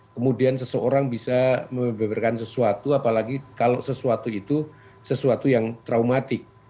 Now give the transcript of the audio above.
kemudian seseorang bisa membeberkan sesuatu apalagi kalau sesuatu itu sesuatu yang traumatik